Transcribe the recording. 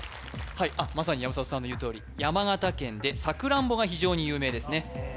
はいまさに山里さんの言うとおり山形県でさくらんぼが非常に有名ですね